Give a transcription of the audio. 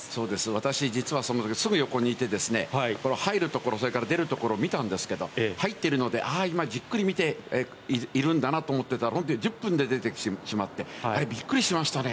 私、実はそのすぐ横にいて、入るところ、出るところを見たんですけれども、入っているので、今じっくり見ているんだなと思っていたら、本当に１０分で出てきてしまって、あれびっくりしましたね。